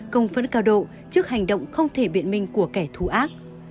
công phấn cao độ trước hành động không thể biện minh của kẻ thú ác